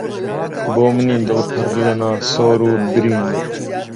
بۆ منی دڵ پڕ لە ناسۆر و برین